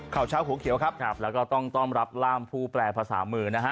ข่าวเช้าหัวเขียวครับครับแล้วก็ต้องต้อนรับร่ามผู้แปลภาษามือนะฮะ